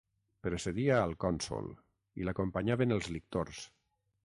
Precedia al cònsol i l'acompanyaven els lictors.